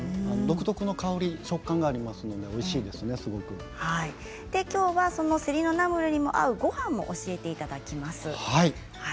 独特の香り食感がありますのできょうはそのせりのナムルにも合うごはんも教えていただきます。